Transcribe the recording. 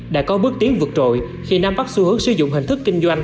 đã có bước tiến vượt trội khi nam bắc xu hướng sử dụng hình thức kinh doanh